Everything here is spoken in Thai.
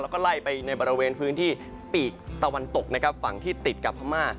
แล้วก็ไล่ไปในบริเวณพื้นที่ปีกตะวันตกนะครับฝั่งที่ติดกับพม่า